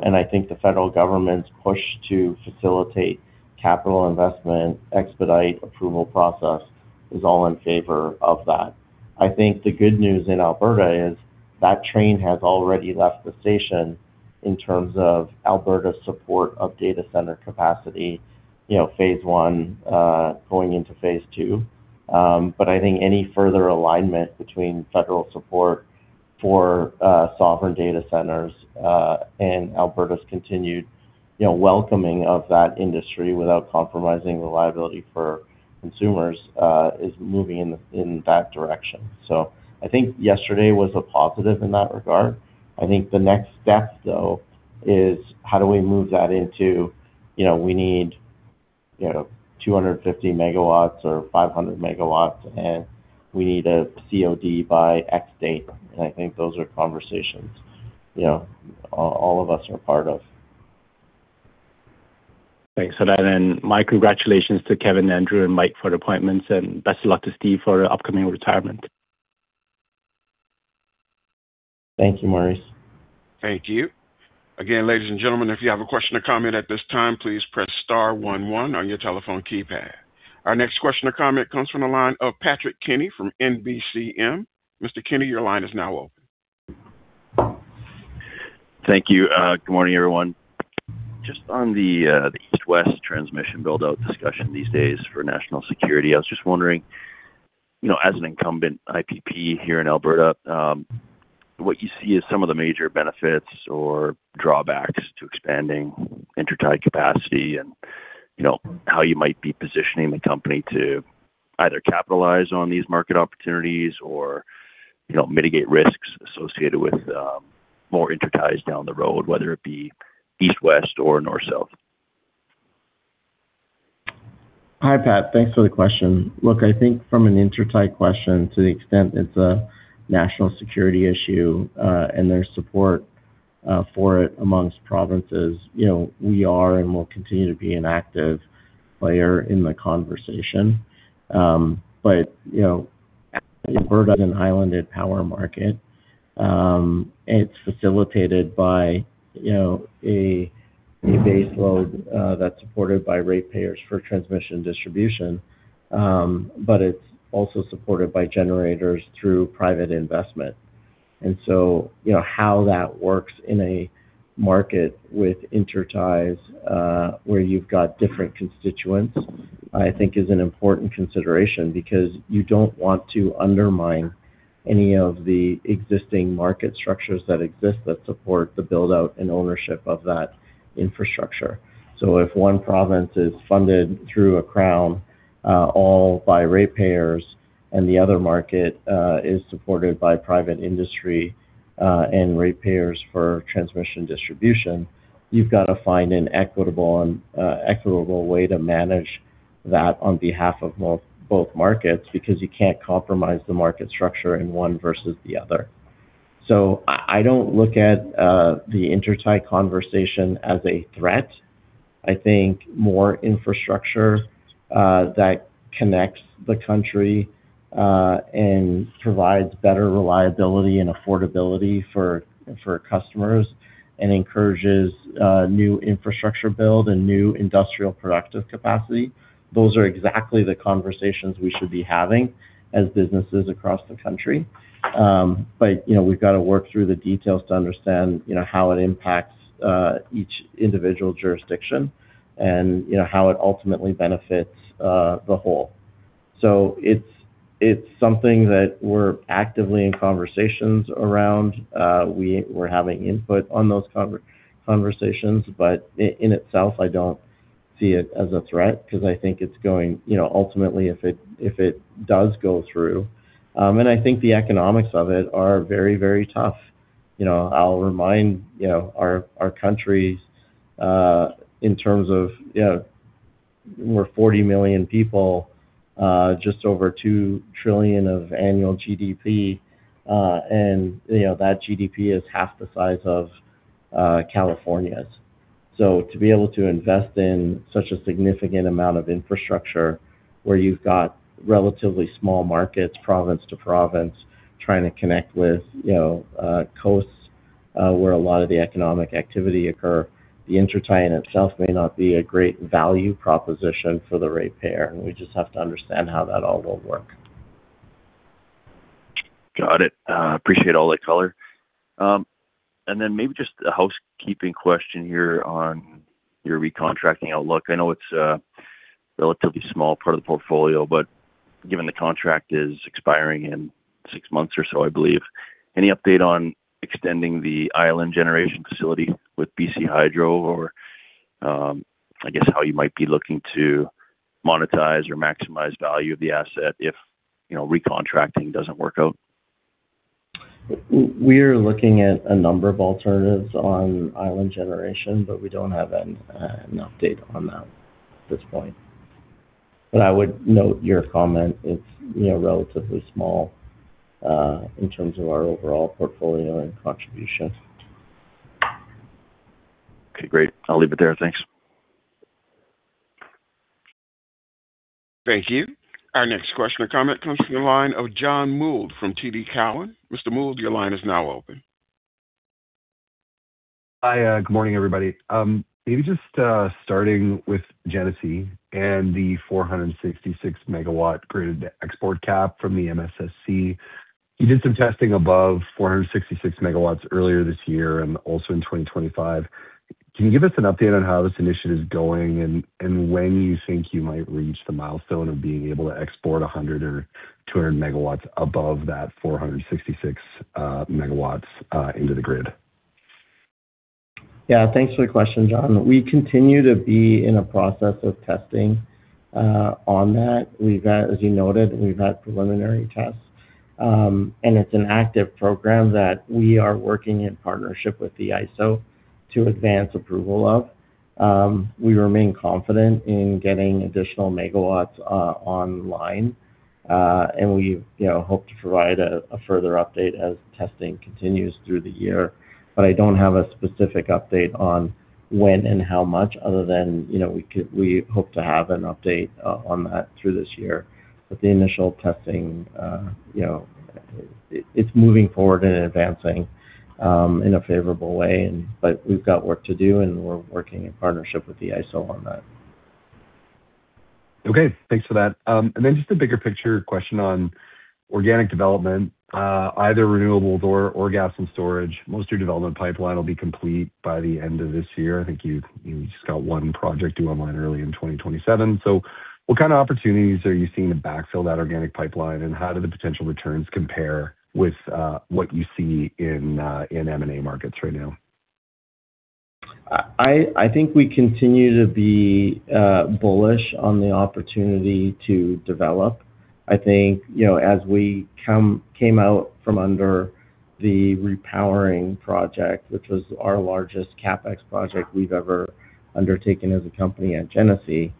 I think the federal government's push to facilitate capital investment; expedite approval process is all in favor of that. I think the good news in Alberta is that train has already left the station in terms of Alberta's support of data center capacity, you know, phase one, going into phase II. I think any further alignment between federal support for sovereign data centers, and Alberta's continued, you know, welcoming of that industry without compromising reliability for consumers, is moving in that direction. I think yesterday was a positive in that regard. I think the next step, though, is how do we move that into, you know, we need, you know, 250 megawatts or 500 megawatts, and we need a COD by X date. I think those are conversations, you know, all of us are part of.
Thanks for that. My congratulations to Kevin, Andrew, and Mike for the appointments, and best of luck to Steve for upcoming retirement.
Thank you, Maurice.
Thank you. Again, ladies and gentlemen, if you have a question or comment at this time, please press star one, one on your telephone keypad. Our next question or comment comes from the line of Patrick Kenny from NBCM. Mr. Kenny, your line is now open.
Thank you. Good morning, everyone. Just on the East-West transmission build-out discussion these days for national security, I was just wondering, you know, as an incumbent IPP here in Alberta, what you see as some of the major benefits or drawbacks to expanding intertie capacity and, you know, how you might be positioning the company to either capitalize on these market opportunities or, you know, mitigate risks associated with more interties down the road, whether it be East-West or North-South?
Hi, Pat. Thanks for the question. Look, I think from an intertie question, to the extent it's a national security issue, and there's support for it amongst provinces, you know, we are and will continue to be an active player in the conversation. But, you know, Alberta is an islanded power market. It's facilitated by, you know, a base load that's supported by ratepayers for transmission distribution, but it's also supported by generators through private investment. So, you know, how that works in a market with interties, where you've got different constituents, I think is an important consideration because you don't want to undermine any of the existing market structures that exist that support the build-out and ownership of that infrastructure. If one province is funded through a crown, all by ratepayers, and the other market is supported by private industry, and ratepayers for transmission distribution, you've got to find an equitable way to manage that on behalf of both markets, because you can't compromise the market structure in one versus the other. I don't look at the intertie conversation as a threat. I think more infrastructure that connects the country and provides better reliability and affordability for customers and encourages new infrastructure build and new industrial productive capacity. Those are exactly the conversations we should be having as businesses across the country. But, you know, we've got to work through the details to understand, you know, how it impacts each individual jurisdiction and, you know, how it ultimately benefits the whole. It's, it's something that we're actively in conversations around. We're having input on those conversations, but in itself, I don't see it as a threat because You know, ultimately, if it, if it does go through, and I think the economics of it are very, very tough. You know, I'll remind, you know, our country, in terms of, you know, we're 40 million people, just over 2 trillion of annual GDP, and, you know, that GDP is half the size of California's. To be able to invest in such a significant amount of infrastructure where you've got relatively small markets, province to province, trying to connect with, you know, coasts, where a lot of the economic activity occur. The intertie in itself may not be a great value proposition for the rate payer. We just have to understand how that all will work.
Got it. appreciate all that color. Maybe just a housekeeping question here on your recontracting outlook. I know it's a relatively small part of the portfolio, but given the contract is expiring in six months or so, I believe. Any update on extending the Island Generation facility with BC Hydro or, I guess how you might be looking to monetize or maximize value of the asset if, you know, recontracting doesn't work out?
We are looking at a number of alternatives on Island Generation, but we don't have an update on that at this point. I would note your comment. It's, you know, relatively small in terms of our overall portfolio and contribution.
Okay, great. I'll leave it there. Thanks.
Thank you. Our next question or comment comes from the line of John Mould from TD Cowen. Mr. Mould, your line is now open.
Hi. Good morning, everybody. Maybe just starting with Genesee and the 466 MW grid export cap from the MSSC. You did some testing above 466 MW earlier this year and also in 2025. Can you give us an update on how this initiative is going and when you think you might reach the milestone of being able to export 100 or 200 MW above that 466 MW into the grid?
Yeah, thanks for the question, John. We continue to be in a process of testing on that. We've had, as you noted, we've had preliminary tests. It's an active program that we are working in partnership with the ISO to advance approval of. We remain confident in getting additional megawatts online. We, you know, hope to provide a further update as testing continues through the year. I don't have a specific update on when and how much other than, you know, we hope to have an update on that through this year. The initial testing, you know, it's moving forward and advancing in a favorable way. We've got work to do, and we're working in partnership with the ISO on that.
Okay. Thanks for that. Just a bigger picture question on organic development, either renewables or gas and storage. Most of your development pipeline will be complete by the end of this year. I think you've just got one project due online early in 2027. What kind of opportunities are you seeing to backfill that organic pipeline, and how do the potential returns compare with what you see in M&A markets right now?
I think we continue to be bullish on the opportunity to develop. I think, you know, as we came out from under the repowering project, which was our largest CapEx project we've ever undertaken as a company at Genesee,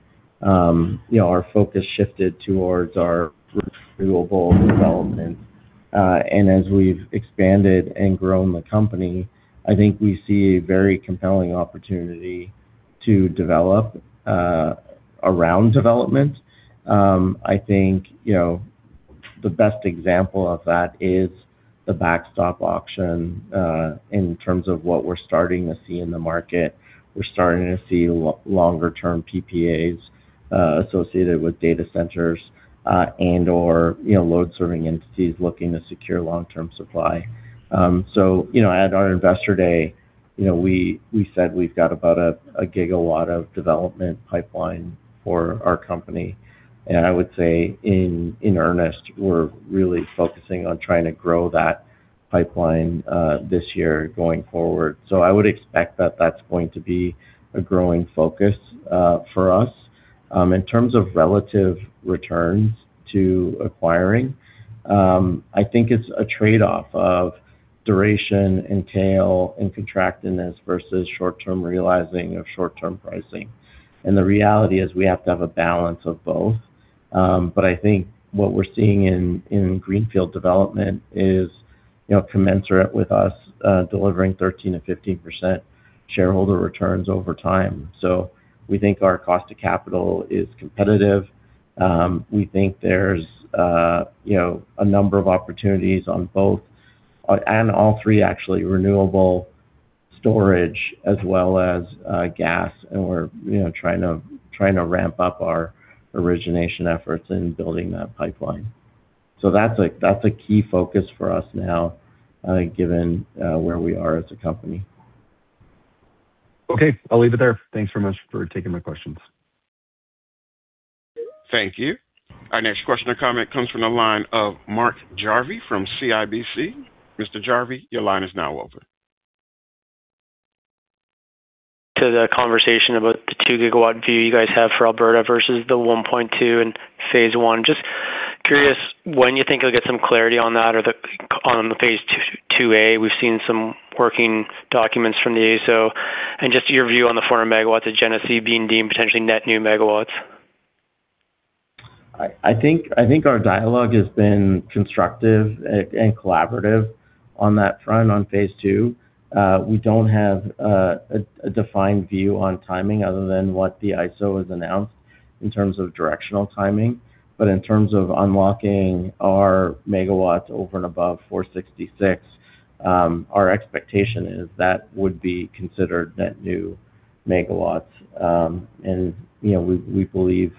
you know, our focus shifted towards our renewable development. As we've expanded and grown the company, I think we see a very compelling opportunity to develop around development. I think, you know, the best example of that is the backstop auction in terms of what we're starting to see in the market. We're starting to see longer term PPAs associated with data centers and/or, you know, load serving entities looking to secure long-term supply. You know, at our Investor Day, you know, we said we've got about one gigawatt of development pipeline for our company. I would say in earnest, we're really focusing on trying to grow that pipeline this year going forward. I would expect that that's going to be a growing focus for us. In terms of relative returns to acquiring, I think it's a trade-off of duration and tail and contractedness versus short-term realizing of short-term pricing. The reality is we have to have a balance of both. I think what we're seeing in greenfield development is, you know, commensurate with us delivering 13%-15% shareholder returns over time. We think our cost of capital is competitive. We think there's, you know, a number of opportunities on both, and all three, actually, renewable storage as well as gas. We're, you know, trying to ramp up our origination efforts in building that pipeline. That's a key focus for us now, I think, given where we are as a company.
Okay. I'll leave it there. Thanks very much for taking my questions.
Thank you. Our next question or comment comes from the line of Mark Jarvi from CIBC. Mr. Jarvi, your line is now open.
To the conversation about the two GW view you guys have for Alberta versus the 1.2 in phase I. Just curious when you think you'll get some clarity on that or on the phase IIA? We've seen some working documents from the ISO. Just your view on the 400 MW of Genesee being deemed potentially net new megawatts?
I think our dialogue has been constructive and collaborative on that front on phase II. We don't have a defined view on timing other than what the ISO has announced in terms of directional timing. In terms of unlocking our megawatts over and above 466, our expectation is that would be considered net new megawatts. You know, we believe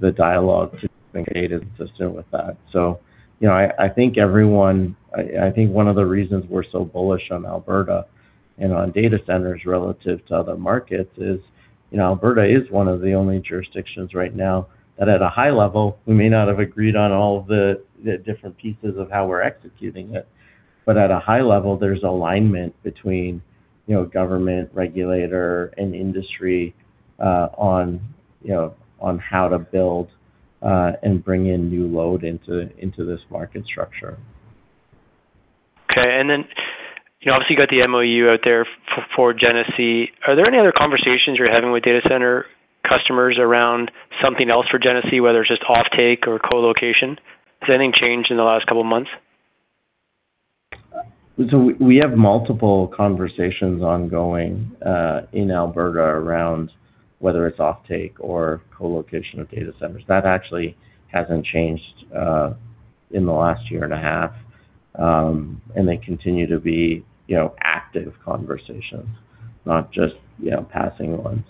the dialogue to indicate is consistent with that. You know, I think one of the reasons we're so bullish on Alberta and on data centers relative to other markets is, you know, Alberta is one of the only jurisdictions right now that at a high level, we may not have agreed on all of the different pieces of how we're executing it. At a high level, there's alignment between, you know, government, regulator and industry, on, you know, on how to build and bring in new load into this market structure.
Okay. Then, you know, obviously you got the MOU out there for Genesee. Are there any other conversations you're having with data center customers around something else for Genesee, whether it's just offtake or co-location? Has anything changed in the last couple of months?
We have multiple conversations ongoing in Alberta around whether it's offtake or co-location of data centers. That actually hasn't changed in the last year and a half. They continue to be, you know, active conversations, not just, you know, passing ones.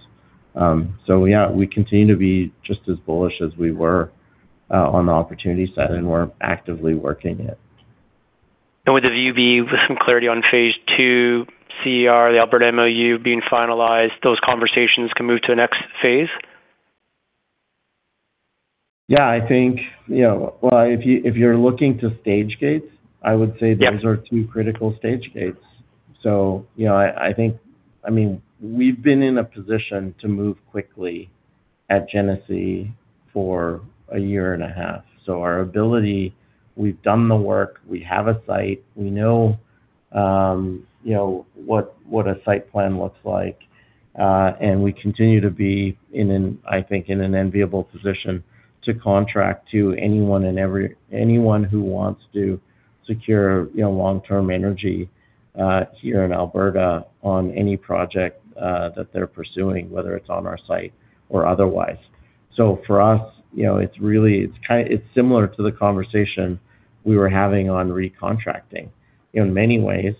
Yeah, we continue to be just as bullish as we were on the opportunity set, and we're actively working it.
Would the view be with some clarity on phase II CER, the Alberta MOU being finalized, those conversations can move to the next phase?
Yeah, I think, you know. Well, if you're looking to stage gates, I would say.
Yeah
Those are two critical stage gates. You know, I think, I mean, we've been in a position to move quickly at Genesee for a year and a half. Our ability, we've done the work, we have a site, we know, you know, what a site plan looks like. And we continue to be in an, I think, in an enviable position to contract to anyone and anyone who wants to secure, you know, long-term energy, here in Alberta on any project, that they're pursuing, whether it's on our site or otherwise. For us, you know, it's really, it's similar to the conversation we were having on recontracting. In many ways,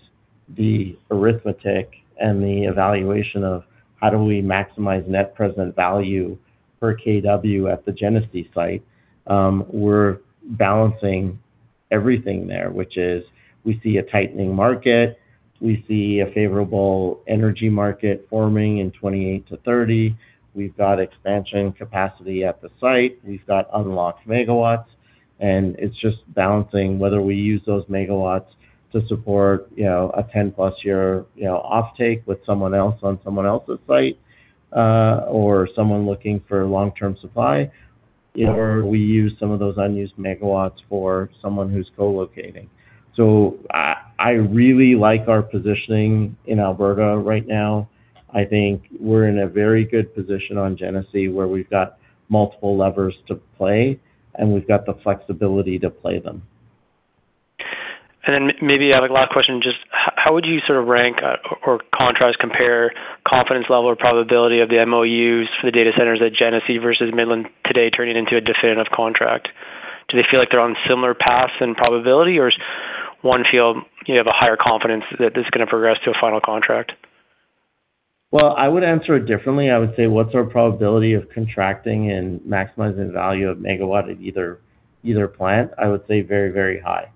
the arithmetic and the evaluation of how do we maximize net present value per kW at the Genesee site, we're balancing everything there, which is we see a tightening market, we see a favorable energy market forming in 2028-2030. We've got expansion capacity at the site. We've got unlocked megawatts, and it's just balancing whether we use those megawatts to support, you know, a 10-plus year, you know, offtake with someone else on someone else's site, or someone looking for long-term supply.
Yeah
We use some of those unused megawatts for someone who's co-locating. I really like our positioning in Alberta right now. I think we're in a very good position on Genesee, where we've got multiple levers to play, and we've got the flexibility to play them.
Maybe I have a last question, just how would you sort of rank or contrast, compare confidence level or probability of the MOUs for the data centers at Genesee versus Midland today turning into a definitive contract? Do they feel like they are on similar paths and probability, or does one feel you have a higher confidence that this is going to progress to a final contract?
Well, I would answer it differently. I would say, what's our probability of contracting and maximizing value of megawatt at either plant? I would say very, very high.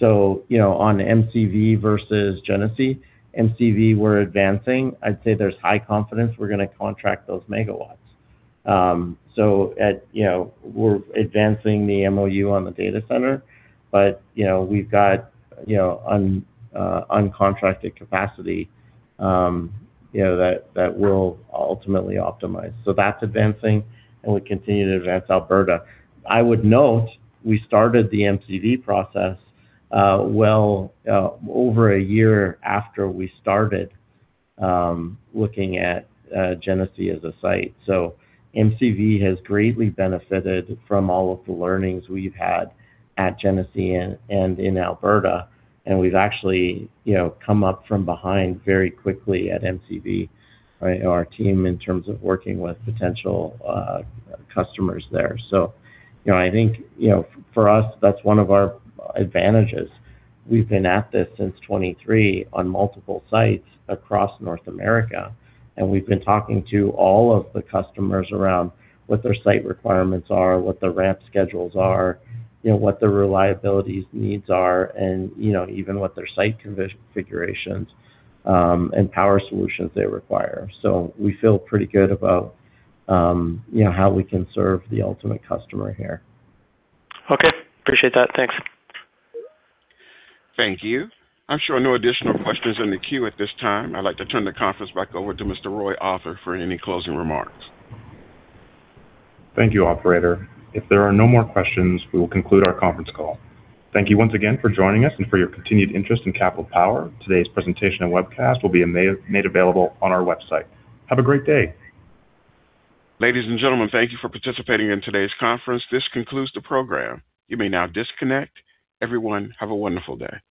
On MCV versus Genesee, MCV we're advancing. I'd say there's high confidence we're gonna contract those megawatts. We're advancing the MOU on the data center, but we've got uncontracted capacity that we'll ultimately optimize. That's advancing, and we continue to advance Alberta. I would note we started the MCV process over a year after we started looking at Genesee as a site. MCV has greatly benefited from all of the learnings we've had at Genesee and in Alberta, and we've actually, you know, come up from behind very quickly at MCV, right? Our team in terms of working with potential customers there. You know, I think, you know, for us, that's one of our advantages. We've been at this since 2023 on multiple sites across North America, and we've been talking to all of the customers around what their site requirements are, what the ramp schedules are, you know, what the reliabilities needs are, and, you know, even what their site configurations and power solutions they require. We feel pretty good about, you know, how we can serve the ultimate customer here.
Okay. Appreciate that. Thanks.
Thank you. I am showing no additional questions in the queue at this time. I would like to turn the conference back over to Mr. Roy Arthur for any closing remarks.
Thank you, operator. If there are no more questions, we will conclude our conference call. Thank you once again for joining us and for your continued interest in Capital Power. Today's presentation and webcast will be made available on our website. Have a great day.
Ladies and gentlemen, thank you for participating in today's conference. This concludes the program. You may now disconnect. Everyone, have a wonderful day.